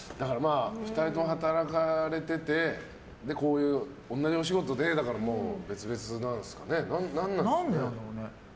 ２人とも働かれててこういう同じお仕事で、だから何でだろうね？